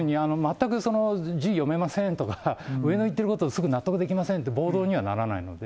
字読めませんとか、上の言ってることすぐ納得できませんって暴動にはならないので。